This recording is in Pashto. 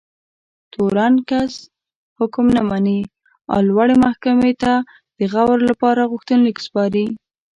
تورن کس حکم نه مني او لوړې محکمې ته د غور لپاره غوښتنلیک سپاري.